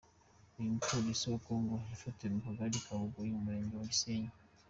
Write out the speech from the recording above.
Uyu mupolisi wa Congo yafatiwe mu kagari ka Bugoyi mu murenge wa Gisenyi.